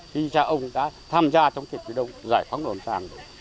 khi cha ông đã tham gia trong trận chiến đấu giải phóng đồn phố ràng